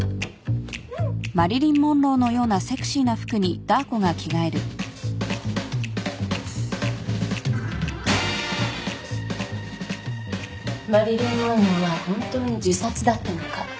マリリン・モンローは本当に自殺だったのか。